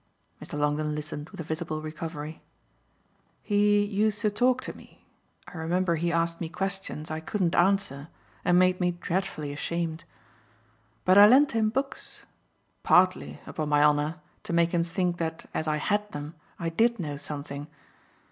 Mr. Longdon listened with a visible recovery. "He used to talk to me I remember he asked me questions I couldn't answer and made me dreadfully ashamed. But I lent him books partly, upon my honour, to make him think that as I had them I did know something.